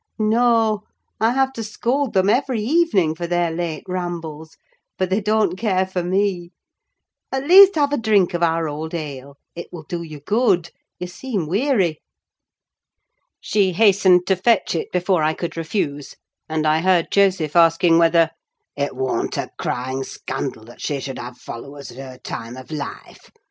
"No—I have to scold them every evening for their late rambles: but they don't care for me. At least, have a drink of our old ale; it will do you good: you seem weary." She hastened to fetch it before I could refuse, and I heard Joseph asking whether "it warn't a crying scandal that she should have followers at her time of life?